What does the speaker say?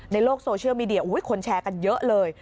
ในโลกโซเชียลมีเดียคนแชร์กันเยอะเลย